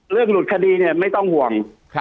หลุดคดีเนี่ยไม่ต้องห่วง